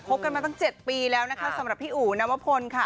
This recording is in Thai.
บกันมาตั้ง๗ปีแล้วนะคะสำหรับพี่อู๋นวพลค่ะ